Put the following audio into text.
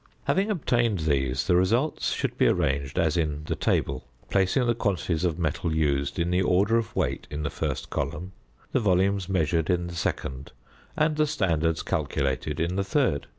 Having obtained these, the results should be arranged as in the table, placing the quantities of metal used in the order of weight in the first column, the volumes measured in the second, and the standards calculated in the third.